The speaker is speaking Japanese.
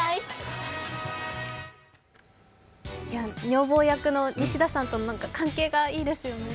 女房役の西田さんとの関係がいいですよね。